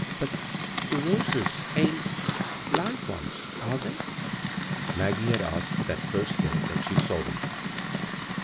" But the roses ain't — live ones ; are they ?" Maggie had asked that first day that she saw them.